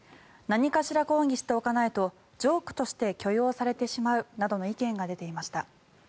何かしら抗議しておかないとジョークとして許容されてしまうなどの意見が出ていました。